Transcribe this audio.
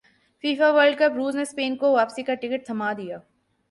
FIFA World cup روس نے Spain کو واپسی کا ٹکٹ تھمادیا